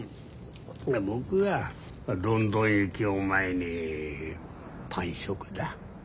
僕はロンドン行きを前にパン食だ。